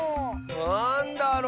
なんだろ？